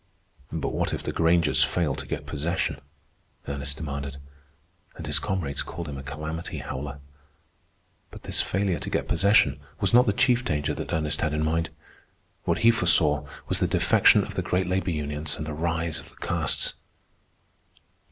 "But what if the Grangers fail to get possession?" Ernest demanded. And his comrades called him a calamity howler. But this failure to get possession was not the chief danger that Ernest had in mind. What he foresaw was the defection of the great labor unions and the rise of the castes.